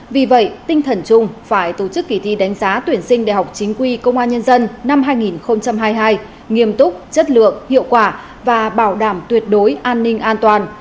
vì vậy tinh thần chung phải tổ chức kỳ thi đánh giá tuyển sinh đại học chính quy công an nhân dân năm hai nghìn hai mươi hai nghiêm túc chất lượng hiệu quả và bảo đảm tuyệt đối an ninh an toàn